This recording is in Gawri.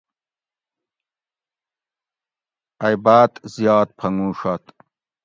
ائ باۤت زیات پھنگوڛت